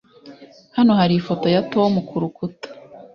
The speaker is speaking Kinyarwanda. Hano hari ifoto ya Tom kurukuta